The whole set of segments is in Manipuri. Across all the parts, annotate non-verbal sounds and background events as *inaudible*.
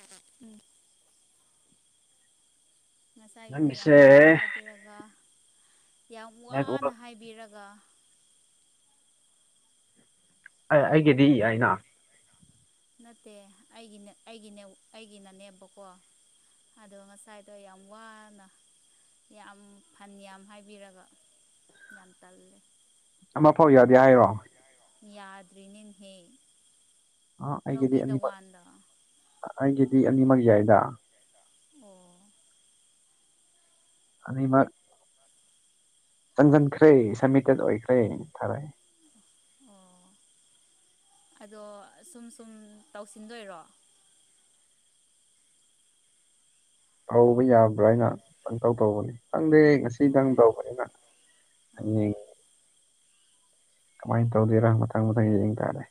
ꯑ ꯎꯝ ꯉꯁꯥꯏꯒꯤꯗ ꯌꯥꯝ ꯅꯪꯒꯤꯁꯦ ꯋꯥꯅ ꯍꯥꯏꯕꯤꯔꯒ ꯌꯥꯝ ꯋꯥꯅ ꯅꯦꯠꯋꯥꯛ ꯍꯥꯏꯕꯤꯔꯒ ꯑꯩꯒꯤꯗꯤ ꯍꯥꯏꯅ ꯅꯠꯇꯦ ꯑꯩꯒꯤꯅꯦ ꯑꯩꯒꯤꯅꯦ ꯑꯩꯒꯤꯅꯅꯦꯕꯀꯣ ꯑꯗꯣ ꯉꯁꯥꯏꯗꯣ ꯌꯥꯝ ꯋꯥꯅ ꯌꯥꯝ ꯐꯟ ꯌꯥꯝ ꯍꯥꯏꯕꯤꯔꯒ ꯌꯥꯝ ꯇꯜꯂꯦ ꯑꯃ ꯐꯥꯎ ꯌꯥꯗꯤ ꯍꯥꯏꯔꯣ ꯌꯥꯗ꯭ꯔꯤꯅꯤꯍꯦ ꯑ ꯑꯩꯒꯤꯗꯤ ꯂꯧꯕꯤꯗ ꯑꯅꯤꯃꯛ ꯋꯥꯟꯗ ꯑꯩꯒꯤꯗꯤ ꯑꯅꯤꯃꯛ ꯌꯥꯏꯗ ꯑꯣ ꯑ ꯃꯥ ꯆꯪꯁꯤꯟꯈ꯭ꯔꯦ ꯁꯃꯤꯇꯦꯠ ꯑꯣꯏꯈ꯭ꯔꯦ ꯊꯥꯔꯛꯑꯦ ꯑꯣ ꯑꯗꯣ ꯁꯨꯝ ꯁꯨꯝ ꯇꯧꯁꯤꯟꯗꯣꯏꯔꯣ ꯍꯧꯕ ꯌꯥꯕ꯭ꯔꯥ ꯍꯥꯏꯅ ꯀꯩꯅꯇꯧ ꯇꯧꯕꯅꯤ ꯈꯪꯗꯦ ꯉꯁꯤ ꯅꯪ ꯇꯧꯕꯅꯤꯅ ꯑꯣ ꯑꯗꯨ ꯀꯃꯥꯏꯅ ꯇꯧꯗꯣꯏꯔꯥ ꯃꯊꯪ ꯃꯊꯪ ꯌꯦꯡ ꯇꯥꯔꯦ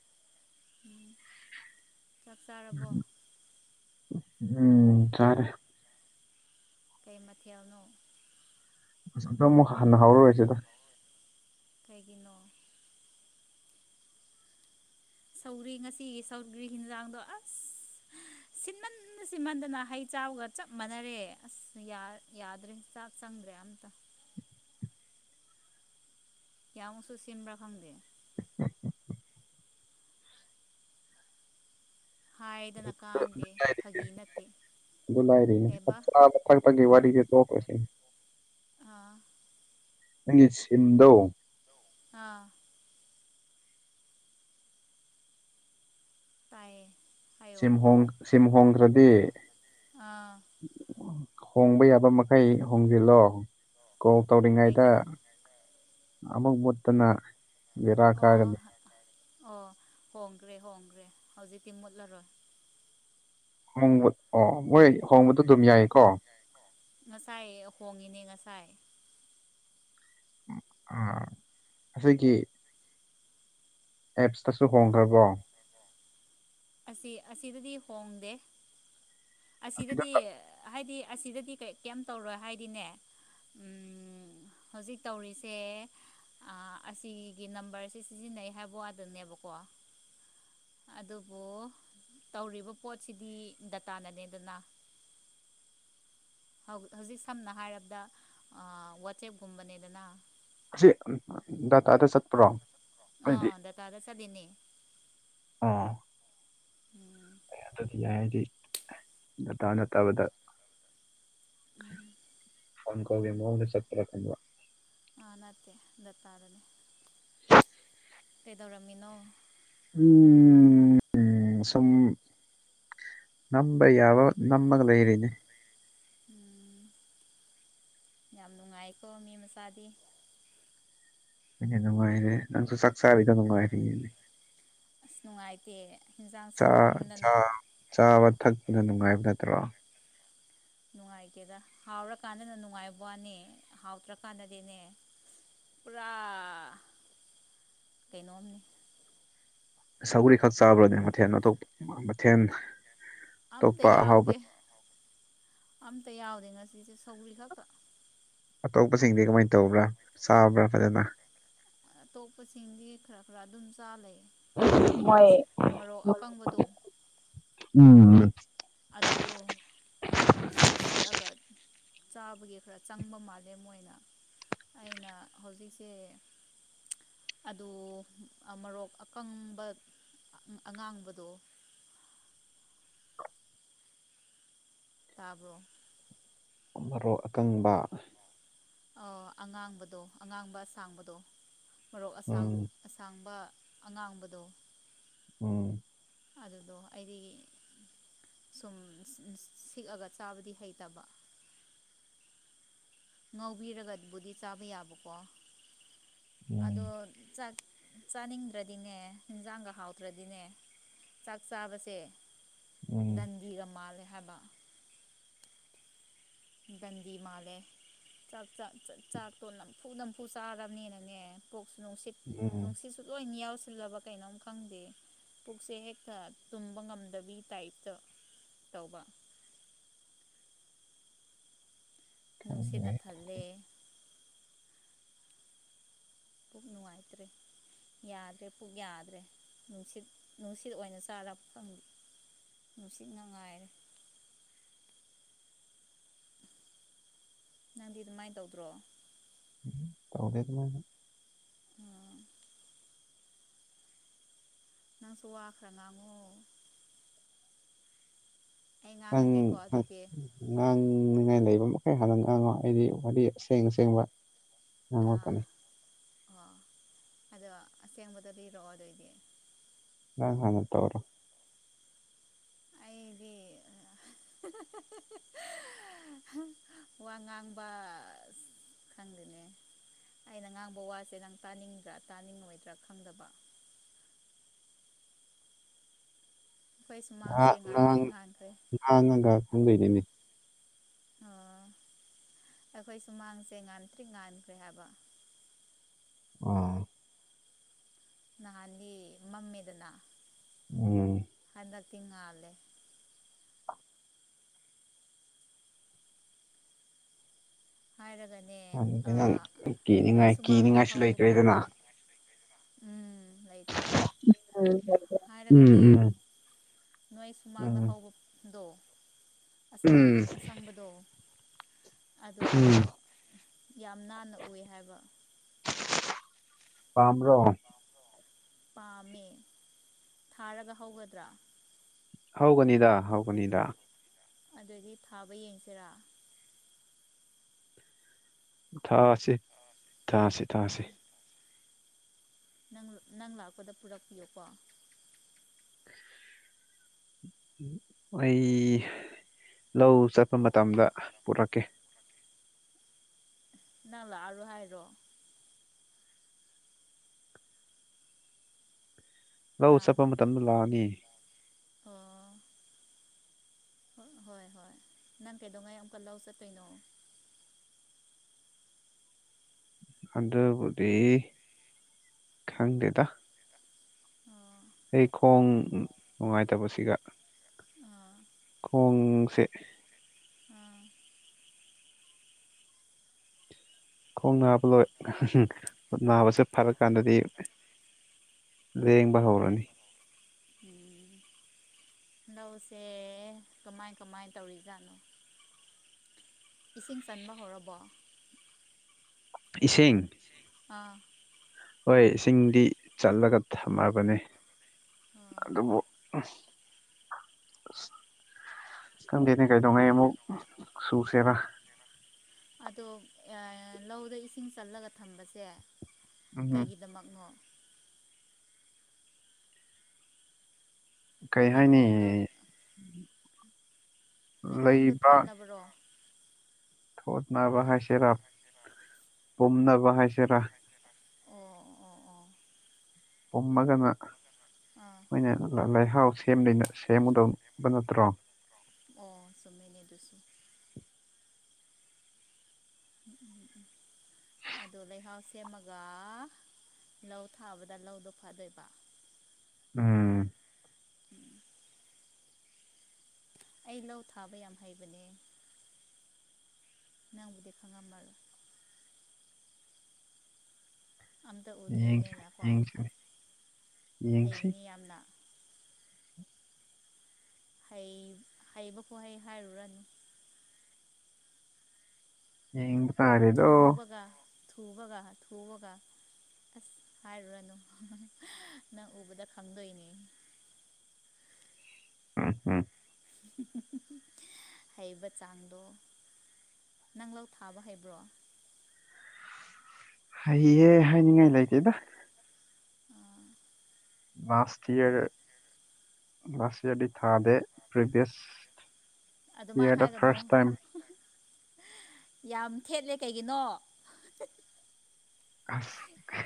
ꯎꯝ ꯆꯞ ꯆꯥꯔꯕꯣ ꯎꯝ ꯇꯥꯔꯦ ꯀꯩꯃꯊꯤꯅꯣ ꯑꯗ ꯑꯃꯨꯛ ꯍꯥꯟꯅ ꯍꯥꯎꯔꯁꯤꯦꯗ ꯂꯩꯒꯤꯅꯣ ꯁꯧꯔꯤ ꯉꯁꯤꯒꯤ ꯁꯧꯒꯔꯤ ꯌꯦꯤꯟꯖꯥꯡꯗꯣ ꯑꯁ ꯁꯤꯟꯃꯟꯗ ꯁꯤꯟꯃꯟꯗꯅ ꯍꯩ ꯆꯕꯒ ꯆꯞ ꯃꯥꯟꯅꯔꯦ ꯑꯁ ꯌꯥꯗ꯭ꯔꯦ ꯆꯥꯛ ꯆꯪꯗ꯭ꯔꯦ ꯑꯝꯇ ꯀꯌꯥꯃꯨꯛꯁꯨ ꯁꯤꯟꯕ꯭ꯔꯥ ꯈꯪꯗꯦ ꯍꯥꯏꯗꯅ ꯑꯗꯨ ꯀꯥꯟꯗꯦ ꯂꯥꯏꯔꯤ ꯐꯥꯒꯤ ꯅꯠꯇꯦ ꯁꯦꯕ ꯐ ꯄꯒꯤ ꯋꯥꯔꯤꯗꯦ ꯇꯣ ꯀꯣꯏꯁꯤ ꯑꯥ ꯅꯪꯒꯤ ꯁꯤꯝꯗꯣ ꯑꯥ ꯇꯥꯏꯌꯦ ꯍꯥꯏꯌꯣ ꯁꯤ ꯍꯣꯡ ꯁꯤꯝ ꯍꯣꯡꯈ꯭ꯔꯗꯤ ꯑꯥ ꯍꯣꯡꯕ ꯌꯥꯕ ꯃꯈꯩ ꯍꯣꯡꯖꯤꯜꯂꯣ ꯀꯣꯜ ꯇꯧꯔꯤꯉꯩꯗ ꯀꯩꯒꯤꯅꯣ ꯑꯃꯨꯛ ꯃꯨꯠꯇꯅ ꯕꯦꯔꯥ ꯑꯣ ꯀꯥꯒꯅꯤ ꯑꯣ ꯍꯣꯡꯒ꯭ꯔꯦ ꯍꯣꯡꯈ꯭ꯔꯦ ꯍꯧꯖꯤꯛꯇꯤ ꯃꯨꯠꯂꯔꯣꯏ ꯍꯣꯡꯕ ꯑꯣ ꯃꯣꯏ ꯍꯣꯡꯕꯗꯣ ꯑꯗꯨꯝ ꯌꯥꯏꯀꯣ ꯉꯁꯥꯏ ꯍꯣꯡꯉꯤꯅꯦ ꯉꯁꯥꯏ ꯑ ꯑꯁꯦꯒꯤ ꯑꯦꯞꯁꯇꯁꯨ ꯍꯣꯡꯈ꯭ꯔꯕꯣ ꯑꯁꯤ ꯑꯁꯤꯗꯗꯤ ꯍꯣꯡꯗꯦ ꯑꯁꯤꯗ ꯑꯁꯤꯗꯗꯤ ꯍꯥꯏꯗꯤ ꯑꯁꯤꯗꯗꯤ ꯀꯩꯝ ꯇꯧꯔꯣꯏ ꯍꯥꯏꯗꯤꯅꯦ ꯍꯧꯖꯤꯛ ꯇꯧꯔꯤꯁꯦ ꯑꯁꯤꯒꯤ ꯅꯝꯕꯔꯁꯦ ꯁꯤꯖꯤꯟꯅꯩ ꯍꯥꯏꯕ ꯋꯥꯗꯅꯦꯕꯀꯣ ꯑꯗꯨ ꯑꯣꯕꯣ ꯇꯧꯔꯤꯕ ꯄꯣꯠꯁꯤꯗꯤ ꯗꯇꯥꯅꯅꯦꯗꯅ ꯍꯧꯖꯤꯛ ꯁꯝꯅ ꯍꯥꯏꯔꯕꯗ ꯋꯥꯆꯦꯞꯀꯨꯝꯕꯅꯦꯗꯅ ꯁꯤ ꯗꯗꯥꯇꯥꯗ ꯆꯠꯄ꯭ꯔꯣ ꯑꯩꯗꯤ ꯑꯗ ꯇꯥꯗ ꯆꯗꯤꯅꯤ ꯑꯣ ꯎꯝ ꯑꯗꯨꯗꯤ ꯌꯥꯏ ꯍꯥꯏꯗꯤ ꯗꯇꯥ ꯅꯠꯇꯕꯗ ꯎꯝ ꯐꯣꯟ ꯀ ꯍꯣꯦ ꯃ ꯆꯠꯄꯔꯛ ꯀꯟꯕ ꯑꯥ ꯅꯠꯇꯦ ꯗꯠꯇꯥꯔꯅꯤ ꯀꯩꯗꯧꯔꯝꯃꯤꯅꯣ ꯎꯝ ꯁꯝ ꯅꯝꯕ ꯌꯥꯕ ꯅꯃꯒ ꯂꯩ ꯏꯔꯤꯅꯦ ꯎꯝ ꯌꯥꯝ ꯅꯨꯡꯉꯥꯏꯀꯣ ꯃꯤ ꯃꯆꯥꯗꯤ ꯑꯗꯨꯅꯨꯡꯉꯥꯏꯔꯦ ꯅꯡꯁꯨ ꯆꯥꯛꯆꯥꯔꯤꯗꯣ ꯅꯨꯡꯉꯥꯏꯔꯤꯅꯤ ꯑꯁ ꯅꯨꯡꯉꯥꯏꯇꯦ ꯌꯦꯟꯖꯥꯡ ꯆꯥ ꯁꯤꯟꯃꯟꯗꯅ ꯆꯥꯕ ꯊꯛꯄꯗ ꯅꯨꯡꯉꯥꯏꯕ ꯅꯠꯇ꯭ꯔꯣ ꯅꯨꯡꯉꯥꯏꯇꯦꯗ ꯍꯥꯎꯔꯀꯥꯟꯗꯅ ꯅꯨꯡꯉꯥꯏꯕꯅꯤ ꯍꯥꯎꯇ꯭ꯔꯀꯥꯟꯗꯗꯤꯅꯦ ꯄꯨꯔꯥ ꯀꯩꯅꯣꯝꯅꯤ ꯁꯒꯔꯤ ꯈꯛ ꯆꯥꯕ꯭ꯔꯅꯦ ꯃꯊꯦꯜ ꯑꯇꯣꯞꯄ ꯃꯊꯦꯜ ꯑꯝꯇ ꯑꯇꯣꯞꯄ ꯑꯍꯥꯎꯕ ꯌꯥꯎꯗꯦ ꯑꯝꯇ ꯌꯥꯎꯗꯦ ꯉꯁꯤꯁꯦ ꯁꯧꯒ꯭ꯔꯤ ꯈꯛꯇ ꯑꯇꯣꯞꯄꯁꯤꯡꯗꯤ ꯀꯃꯥꯏꯅ ꯇꯧꯕ꯭ꯔꯥ ꯆꯥꯕ꯭ꯔꯥ ꯐꯖꯅ ꯑꯇꯣꯞꯄꯁꯤꯡꯗꯤ ꯈꯔ-ꯈꯔ ꯑꯗꯨꯝ ꯆꯥ꯭ꯔꯂꯩ ꯃꯣꯏ ꯃꯔꯣꯛ ꯑꯀꯪꯕꯗꯣ ꯎꯝ ꯑꯗꯨꯗꯣ ꯁꯤꯛ ꯁꯤꯛꯑꯒ ꯆꯥꯕꯒꯤ ꯈꯔ ꯆꯪꯕ ꯃꯥꯜꯂꯦ ꯃꯣꯏꯅ ꯑꯩꯅ ꯍꯣꯖꯤꯁꯦ ꯑꯗꯨ ꯃꯣꯔꯣꯛ ꯑꯀꯪꯕ ꯑꯉꯥꯡꯕꯗꯣ ꯇꯥꯕ꯭ꯔꯣ ꯃꯔꯣꯛ ꯑꯀꯪꯕ ꯑ ꯑꯉꯥꯡꯕꯗꯣ ꯑꯉꯥꯡꯕ ꯑꯁꯥꯡꯕꯗꯣ ꯃꯔꯣꯛ ꯑꯁꯥꯡ ꯎꯝ ꯑꯁꯥꯡꯕ ꯑꯉꯥꯡꯕꯗꯣ ꯎꯝ ꯑꯗꯨꯗꯣ ꯑꯩꯗꯤ ꯁꯨꯝ ꯁꯤꯛꯑꯒ ꯆꯥꯕꯗꯤ ꯍꯩꯇꯕ ꯉꯧꯕꯤꯔꯒꯕꯨꯗꯤ ꯆꯥꯕ ꯌꯥꯕꯀꯣ ꯎꯝ ꯑꯗꯣ ꯆꯥꯛ ꯆꯥꯅꯤꯡꯗ꯭ꯔꯗꯤꯅꯦ ꯏꯟꯖꯥꯡꯒ ꯍꯥꯎꯇ꯭ꯔꯗꯤꯅꯦ ꯆꯥꯛ ꯆꯥꯕꯁꯦ ꯎꯝ ꯗꯟꯒꯤꯒ ꯃꯥꯜꯂꯦ ꯍꯥꯏꯕ ꯗꯟꯗꯤ ꯃꯥꯜꯂꯦ ꯆꯥꯛ-ꯆꯥꯛ-ꯆꯥꯛꯇꯣ ꯅꯝꯐꯨ-ꯅꯝꯐꯨ ꯆꯥꯔꯕꯅꯤꯅꯅꯦ ꯄꯣꯛꯁꯨ ꯅꯨꯡꯁꯤꯠ ꯎꯝ ꯅꯨꯡꯁꯤꯠꯁꯨ ꯂꯣꯏꯅ ꯌꯥꯎꯁꯤꯜꯂꯕ ꯀꯩꯅꯣꯝ ꯈꯪꯗꯦ ꯄꯨꯛꯁꯦ ꯍꯦꯛꯇ ꯇꯨꯝꯕ ꯉꯝꯗꯕꯤ ꯇꯥꯏꯞꯇ ꯇꯧꯕ ꯅꯨꯡꯁꯤꯠꯅ ꯈꯪꯗ꯭ꯔꯦ ꯊꯜꯂꯦ ꯄꯨꯛ ꯅꯨꯡꯉꯥꯏꯇ꯭ꯔꯦ ꯌꯥꯗ꯭ꯔꯦ ꯄꯨꯛ ꯌꯥꯗ꯭ꯔꯦ ꯅꯨꯡꯁꯤꯠ-ꯅꯨꯡꯁꯤꯠ ꯑꯣꯏꯅ ꯆꯥꯔꯛ ꯅꯨꯡꯁꯤꯠꯅ ꯉꯥꯏꯔꯦ ꯅꯪꯗꯤ ꯑꯗꯨꯃꯥꯏꯅ ꯇꯧꯗ꯭ꯔꯣ ꯇꯧꯗꯦ ꯑꯗꯨꯃꯏꯅ ꯎꯝ ꯅꯪꯁꯨ ꯋꯥ ꯈꯔ ꯉꯥꯡꯉꯣ ꯑꯩ ꯑꯪ ꯉꯥꯡꯉꯒꯦꯀꯣ ꯑꯗꯨꯏꯗꯤ ꯉꯥꯡꯅꯤꯉꯥꯏ ꯂꯩꯕ ꯃꯈꯩ ꯍꯥꯟꯅ ꯉꯥꯡꯉꯣ ꯑꯩꯗꯤ ꯋꯥꯔꯤ ꯑꯁꯦꯡ ꯑꯁꯦꯡꯕ ꯑꯥ ꯉꯥꯡꯂꯛꯀꯅꯤ ꯑꯣ ꯑꯗꯣ ꯑꯁꯦꯡꯕꯗꯣ ꯂꯤꯔꯛꯑꯣ ꯑꯗꯨꯑꯣꯏꯗꯤ ꯅꯡꯍꯟꯅ ꯇꯧꯔꯣ ꯑꯩꯗꯤ ꯋꯥ ꯉꯥꯡꯕ ꯈꯪꯗꯦꯅꯦ ꯑꯩꯅ ꯉꯥꯡꯕ ꯋꯥꯁꯦ ꯅꯪ ꯇꯥꯅꯤꯡꯗ꯭ꯔꯥ ꯆꯥꯅꯤꯡꯉꯣꯏꯗ꯭ꯔꯥ ꯈꯪꯗꯕ ꯑꯩꯈꯣꯏ ꯁꯨꯃꯥꯡꯁꯦ ꯉꯥꯡ ꯉꯥꯟꯇ꯭ꯔꯤ ꯉꯥꯡ ꯉꯥꯟꯈ꯭ꯔꯦ ꯉꯥꯡꯉꯒ ꯈꯪꯗꯣꯏꯅꯤꯅꯦ ꯑꯣ ꯑꯩꯈꯣꯏ ꯁꯨꯃꯥꯡꯁꯦ ꯉꯥꯟꯇ꯭ꯔꯤ ꯉꯥꯟꯈ꯭ꯔꯦ ꯍꯥꯏꯕ ꯑꯣ ꯅꯍꯥꯟꯗꯤ ꯃꯝꯃꯦꯗꯅ ꯎꯝ ꯍꯟꯗꯛꯇꯤ ꯉꯥꯜꯂꯦ ꯍꯥꯏꯔꯒꯅꯦ ꯑꯗꯨꯗꯤ ꯅꯪ ꯅꯣꯏ ꯀꯤꯅꯤꯡꯉꯥꯏ ꯁꯨꯃꯥꯡꯗ ꯀꯤꯅꯤꯡꯉꯥꯏꯁꯨ ꯍꯧꯕ ꯂꯩꯇ꯭ꯔꯦꯗꯅ ꯄꯣꯠꯇꯣ ꯎꯝ ꯂꯩꯇ꯭ꯔꯦ ꯎꯝ ꯎꯝ ꯍꯥꯏꯔꯒꯅꯦ ꯎꯝ ꯅꯣꯏ ꯁꯨꯃꯥꯡꯗ ꯎꯝ ꯍꯧꯕꯗꯣ ꯑꯁꯥꯡ ꯎꯝ ꯑꯁꯪꯕꯗꯣ ꯑꯗꯨꯗꯣ ꯎꯝ ꯌꯥꯝ ꯅꯥꯟꯅ ꯑꯣꯏ ꯍꯥꯏꯕ ꯄꯥꯝꯕꯔꯣ ꯄꯥꯝꯃꯦ ꯊꯥꯔꯒ ꯍꯧꯒꯗ꯭ꯔꯥ ꯍꯧꯒꯅꯤꯗ ꯍꯧꯒꯅꯤꯗ ꯑꯗꯨꯑꯣꯏꯗꯤ ꯊꯥꯕ ꯌꯦꯡꯁꯤꯔꯥ ꯊꯥꯁꯤ ꯊꯥꯁꯤ ꯊꯥꯁꯤ ꯊꯥꯏ ꯅꯪ ꯅꯪ ꯂꯥꯛꯄꯗ ꯄꯨꯔꯛꯄꯤꯌꯨ ꯀꯣ ꯑꯩ ꯂꯧ ꯆꯠꯄ ꯃꯇꯝꯗ ꯄꯨꯔꯛꯀꯦ ꯅꯪ ꯂꯥꯛ ꯑꯔꯣꯢ ꯍꯥꯏꯥꯔꯣ ꯂꯧ ꯍꯥ ꯆꯠꯄ ꯃꯇꯝꯗ ꯂꯥꯛꯑꯒꯦ ꯑꯣ ꯍꯣꯏ ꯍꯣꯏ ꯍꯣꯏ ꯅꯪ ꯀꯩꯗꯧꯉꯩ ꯑꯃꯨꯛꯀ ꯂꯧ ꯆꯠꯇꯣꯏꯅꯣ ꯍꯟꯗꯕꯨꯗꯤ ꯈꯪꯗꯦꯗ ꯑꯣ ꯑꯩ ꯈꯣꯡ ꯅꯨꯡꯉꯥꯏꯇꯕꯁꯤꯒ ꯑꯥ ꯄꯣꯡꯁꯦ ꯑꯥ ꯈꯣꯡ ꯅꯥꯕ ꯂꯣꯏ ꯅꯥꯕꯁꯦ ꯐꯔ ꯀꯥꯟꯗꯗꯤ ꯂꯦꯡꯕ ꯍꯧꯔꯅꯤ ꯎꯝ ꯂꯧꯁꯦ ꯀꯃꯥꯏ ꯀꯃꯥꯏ ꯇꯧꯔꯤꯖꯥꯠꯅꯣ ꯏꯁꯤꯡ ꯆꯟꯕ ꯍꯧꯔꯕꯣ ꯏꯁꯤꯡ ꯑꯥ ꯍꯣꯏ ꯏꯁꯤꯡꯗꯤ ꯆꯠꯂꯒ ꯊꯝꯃꯕꯅꯤ ꯑꯥ ꯑꯗꯨꯕꯨ ꯎꯝ ꯈꯪꯘꯦꯅꯦ ꯀꯩꯗꯧꯉꯥꯏꯃꯨꯛ ꯁꯨꯁꯦꯔ ꯑꯗꯣ ꯂꯧꯗ ꯏꯁꯤꯡ ꯆꯠꯂꯒ ꯊꯝꯕꯁꯦ ꯎꯝ ꯀꯩꯒꯤꯗꯃꯛꯅꯣ ꯀꯔꯤ ꯍꯥꯏꯅꯤ ꯂꯩꯈꯣꯝꯗꯣ ꯂꯩꯈꯣꯝꯗ ꯂꯩꯕ ꯊꯣꯠꯅꯕꯔꯣ ꯊꯣꯠꯅꯕ ꯑꯥ ꯍꯥꯏꯁꯤꯔꯥ ꯄꯨꯝꯅꯕ ꯍꯥꯏꯁꯤꯔꯥ ꯎ ꯎꯥ ꯎꯝ ꯄꯨꯝꯃꯒꯅ ꯑꯥ ꯑꯩꯈꯣꯏꯅ ꯂꯩꯍꯥꯎ ꯁꯦꯝ ꯁꯦꯝꯒꯗꯕ ꯅꯠꯇ꯭ꯔꯣ ꯑꯣ ꯆꯨꯝꯃꯦꯅꯦ ꯑꯗꯨꯁꯨ ꯎꯝ ꯎꯝ ꯎꯝ ꯎꯝ ꯑꯗꯣ ꯂꯩꯍꯥꯎ ꯁꯦꯝꯃꯒ ꯂꯧ ꯊꯥꯕꯗ ꯂꯧꯗꯣ ꯐꯗꯣꯏꯕ ꯎꯝ ꯑꯩ ꯂꯧ ꯊꯥꯕ ꯌꯥꯝ ꯍꯩꯕꯅꯦ ꯅꯪꯕꯨꯗꯤ ꯈꯪꯉꯝꯃꯔꯣꯏ ꯑꯝꯇ ꯌꯦꯡꯁꯤ ꯎꯗ꯭ꯔꯤꯕꯅꯤꯅꯀꯣ ꯌꯦꯡꯁꯤ ꯌꯦꯡꯁꯤ ꯍꯩꯕꯅꯤ ꯌꯥꯝꯅ ꯍꯩ ꯍꯩꯕꯀꯣ ꯍꯩ ꯍꯥꯏꯔꯨꯔꯅꯨ *unintelligible* ꯊꯨꯕꯒ ꯊꯨꯕꯒ ꯊꯨꯕꯒ ꯑꯁ ꯍꯥꯏꯔꯨꯔꯅꯨ ꯅꯪ ꯎꯕꯗ ꯈꯪꯗꯣꯏꯅꯦ ꯎꯝ ꯎꯝ ꯍꯩꯕ ꯆꯥꯡꯗꯣ ꯅꯪꯂꯧ ꯊꯥꯕ ꯍꯩꯕ꯭ꯔꯣ ꯍꯩꯌꯦ ꯍꯥꯏꯅꯤꯡꯉꯥꯏ ꯂꯩꯇꯦꯗ ꯑꯥ ꯃꯥꯁꯊꯤꯌꯔꯔ ꯂꯥꯁ ꯏꯌꯔꯗꯤ ꯊꯥꯗꯦ ꯄ꯭ꯔꯦꯕꯤꯌꯁ ꯑꯗꯨꯃꯥꯏ ꯍꯥꯏꯒꯅꯨ ꯌꯥꯝ ꯊꯦꯠꯂꯦ ꯀꯩꯒꯤꯅꯣ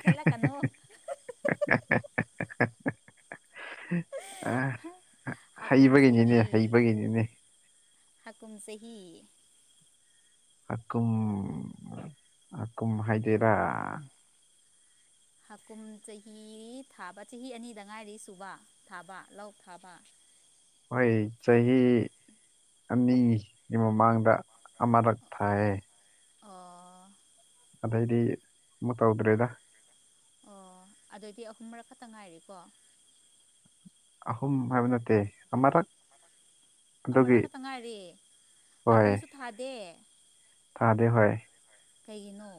ꯊꯦꯠꯂꯛꯀꯅꯨ ꯑ ꯍꯥꯀꯨꯝ ꯆꯍꯤ ꯍꯩꯕꯒꯤꯅꯤꯅꯦ ꯍꯩꯕꯒꯤꯅꯤꯅꯦ ꯍꯥꯀꯨꯝ ꯆꯍꯤ ꯑꯀꯝ ꯍꯀꯨꯝ ꯍꯥꯏꯗꯦꯔꯥ ꯍꯥꯀꯨꯝ ꯆꯍꯤ ꯊꯥꯕ ꯆꯍꯤ ꯑꯅꯤꯗ ꯉꯥꯏꯔꯤ ꯁꯨꯕ ꯊꯥꯕ ꯂꯧ ꯊꯥꯕ ꯍꯣꯏ ꯆꯍꯤ ꯑꯅꯤꯒꯤ ꯃꯃꯥꯡꯗ ꯑꯃꯔꯛ ꯊꯥꯏꯌꯦ ꯑꯣ ꯑꯗꯩꯗꯤ ꯑꯃꯨ ꯇꯧꯗ꯭ꯔꯦꯗ ꯑꯣ ꯑꯗꯨꯗꯤ ꯑꯍꯨꯝ ꯃꯔꯛ ꯈꯛꯇ ꯉꯥꯏꯔꯤꯀꯣ ꯑꯍꯨꯝ ꯍꯥꯏꯕ ꯅꯠꯇꯦ ꯑꯃꯥꯔꯛ ꯑꯃꯔꯛ ꯈꯛꯇ ꯉꯥꯏꯔꯤ ꯍꯣꯏ ꯍꯥꯀꯨꯝꯁꯨ ꯊꯥꯗꯦ ꯊꯥꯗꯦ ꯍꯣꯏ ꯀꯩꯒꯤꯅꯣ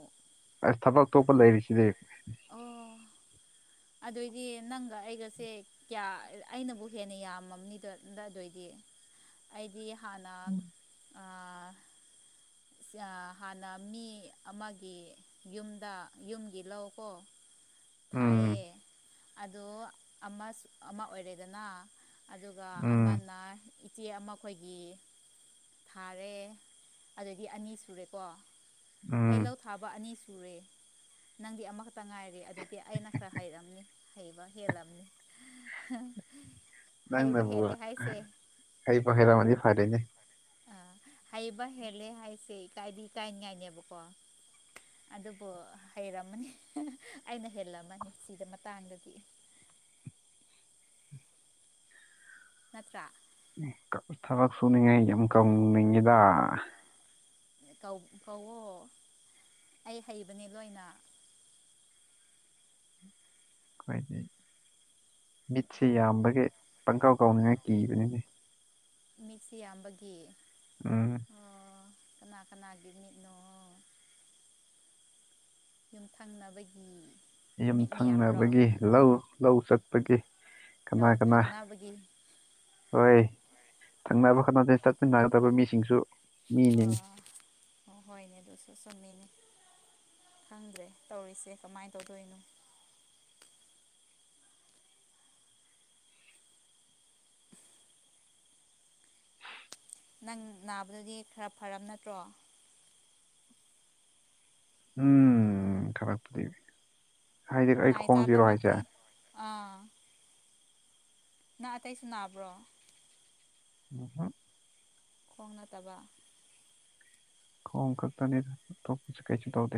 ꯑꯁ ꯊꯕꯛ ꯑꯇꯣꯞꯄ ꯂꯩꯔꯤꯁꯤꯗꯤ ꯑꯣ ꯑꯗꯨꯏꯗꯤ ꯅꯪꯒ ꯑꯩꯒꯁꯦ ꯀꯌꯥ ꯑꯩꯅꯕꯨ ꯍꯦꯟꯅ ꯌꯥꯝꯃꯕꯅꯤꯗ ꯑꯗꯨꯑꯣꯏꯗꯤ ꯑꯩꯗꯤ ꯍꯥꯟꯅ ꯍꯥꯟꯅ ꯃꯤ ꯑꯃꯒꯤ ꯌꯨꯝꯗ ꯌꯨꯝꯒꯤ ꯂꯧꯀꯣ ꯎꯝ ꯊꯥꯏꯌꯦ ꯑꯗꯣ ꯑꯃꯁꯨ ꯑꯃ ꯑꯣꯏꯔꯦꯗꯅ ꯑꯗꯨꯒ ꯎꯝ ꯑꯃꯅ ꯏꯆꯦ ꯑꯃꯈꯣꯏꯒꯤ ꯊꯥꯔꯦ ꯑꯗꯒꯤ ꯑꯅꯤ ꯁꯨꯔꯦꯀꯣ ꯎꯝ ꯑꯩ ꯂꯧ ꯊꯥꯕ ꯑꯅꯤ ꯁꯨꯔꯦ ꯅꯪꯗꯤ ꯑꯃꯈꯛꯇ ꯉꯥꯏꯔꯦ ꯑꯗꯨꯏꯗꯤ ꯑꯩꯅ ꯈꯔ ꯍꯩꯔꯝꯅꯤ ꯍꯩꯕ ꯍꯦꯜꯂꯝꯅꯤ *inaudible* ꯅꯪꯅꯕꯨ ꯍꯦꯜꯂꯦ ꯍꯥꯏꯁꯦ ꯍꯩꯕꯨ ꯍꯩꯔꯝꯃꯗꯤ ꯐꯔꯦꯅꯦ ꯑꯥ ꯍ‌ꯩꯕ ꯍꯦꯜꯂꯦ ꯍꯥꯏꯁꯦ ꯏꯀꯥꯏꯗꯤ ꯏꯀꯥꯏꯅꯤꯉꯥꯏꯅꯦꯕꯀꯣ ꯑꯗꯨꯕꯨ ꯍꯩꯔꯝꯃꯅꯤ ꯑꯩꯅ ꯍꯦꯜꯂꯝꯃꯅꯤ ꯁꯤꯗ ꯃꯇꯥꯡꯗꯗꯤ ꯅꯠꯇ꯭ꯔꯥ ꯊꯕꯛ ꯁꯨꯅꯤꯡꯉꯥꯏ ꯌꯥꯝ ꯀꯧꯅꯤꯡꯉꯤꯗ ꯀꯧ ꯀꯧꯋꯣ ꯑꯩ ꯍꯩꯕꯅꯤ ꯂꯣꯏꯅ ꯑꯈꯣꯏꯗꯤ ꯃꯤꯠꯁꯦ ꯌꯥꯝꯕꯒꯤ ꯄꯪꯀꯥꯎ ꯀꯥꯎꯅꯦꯅ ꯀꯤꯕꯅꯤꯅꯦ ꯫ ꯃꯤꯠꯁꯦ ꯌꯥꯝꯕꯒꯤ ꯎꯝ ꯑꯣ ꯀꯅꯥ ꯀꯅꯥꯒꯤ ꯃꯤꯠꯅꯣ ꯌꯨꯝ ꯊꯪꯅꯕꯒꯤ ꯃꯤꯠ ꯃꯌꯥꯝꯔꯣ ꯌꯨꯝꯊꯪꯅꯕꯒꯤ ꯂꯧ ꯂꯧ ꯆꯠꯄꯒꯤ ꯀꯅꯥ ꯂꯧ ꯀꯅꯥ ꯫ ꯊꯪꯅꯕꯒꯤ ꯍꯣꯏ ꯊꯪꯅꯕ ꯈꯠꯅꯗꯅ ꯆꯠꯃꯤꯟꯅꯒꯗꯕ ꯃꯤꯁꯤꯡꯁꯨ ꯍꯣ ꯃꯤꯅꯤꯅꯦ ꯑꯣ ꯍꯣꯏꯅꯦ ꯑꯗꯨꯁꯨ ꯆꯨꯝꯃꯤꯅꯦ ꯈꯪꯗ꯭ꯔꯦ ꯇꯧꯔꯤꯁꯦ ꯀꯃꯥꯏꯅ ꯇꯧꯗꯣꯏꯅꯣ ꯫ ꯅꯪ ꯅꯥꯕꯗꯗꯤ ꯈꯔ ꯐꯔꯕ ꯅꯠꯇ꯭ꯔꯣ ꯎꯝ *unintelligible* ꯍꯥꯏꯗꯤ ꯑꯩ ꯅꯥꯏ ꯈꯣꯡꯁꯤꯔꯣ ꯍꯥꯏꯁꯦ ꯆꯥꯕꯃꯛꯇꯤ ꯫ ꯑꯥ ꯅꯥ ꯑꯇꯩꯁꯨ ꯅꯥꯕ꯭ꯔꯣ ꯎꯝ ꯈꯣꯡ ꯅꯠꯇꯕ ꯈꯣꯡ ꯈꯛꯇꯅꯤꯗ ꯀꯩꯁꯨ ꯇꯧꯗꯦ